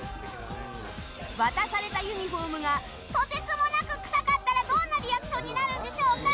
渡されたユニホームがとてつもなく臭かったらどんなリアクションになるんでしょうか？